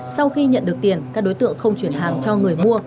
sau khi nhận được tiền các đối tượng không chuyển hàng cho người mua